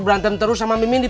pertanya men mana